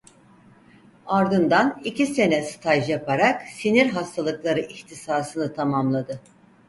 Ardından iki sene staj yaparak sinir hastalıkları ihtisasını tamamladı.